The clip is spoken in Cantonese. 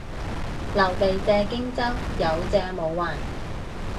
劉備借荊州，有借冇還